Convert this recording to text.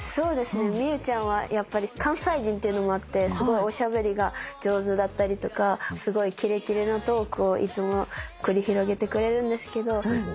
ｍｉｙｏｕちゃんは関西人っていうのもあっておしゃべりが上手だったりとかきれきれのトークをいつも繰り広げてくれるんですけど。